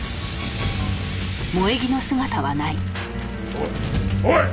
おいおい！